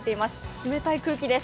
冷たい空気です。